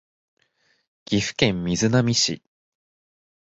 岐阜県瑞浪市